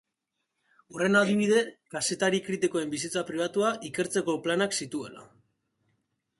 Horren adibide, kazetari kritikoen bizitza pribatua ikertzeko planak zituela.